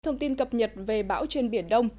thông tin cập nhật về bão trên biển đông